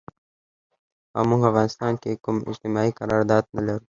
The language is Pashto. او مونږ افغانستان کې کوم اجتماعي قرارداد نه لرو